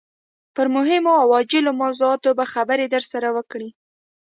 پر مهمو او عاجلو موضوعاتو به خبرې درسره وکړي.